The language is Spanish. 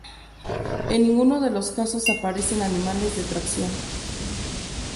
En ninguno de los casos aparecen animales de tracción.